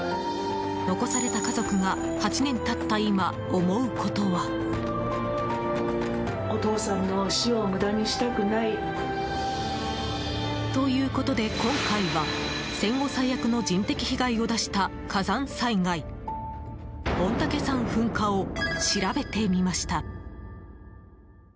残された家族が８年経った今思うことは。ということで、今回は戦後最悪の人的被害を出した火山災害御嶽山噴火を調べてみました。